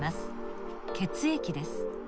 血液です。